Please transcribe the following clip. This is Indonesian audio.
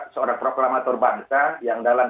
seorang proklamator bangsa yang dalam